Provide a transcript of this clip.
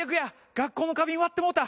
学校の花瓶割ってもうた。